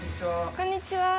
こんにちは。